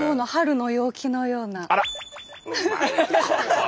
あら！